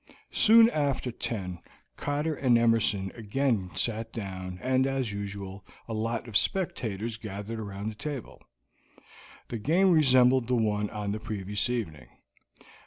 Soon after ten Cotter and Emerson again sat down, and, as usual, a lot of spectators gathered round the table. The game resembled the one on the previous evening.